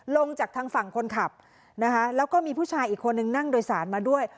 ลงจากทางฝั่งคนขับนะคะแล้วก็มีผู้ชายอีกคนนึงนั่งโดยสารมาด้วย